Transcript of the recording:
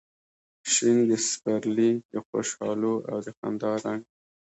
شین د سپرلي د خوشحالو او د خندا رنګ